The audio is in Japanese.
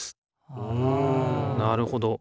うんなるほど。